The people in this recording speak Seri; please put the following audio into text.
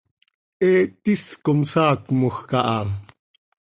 He tis com saacmoj caha.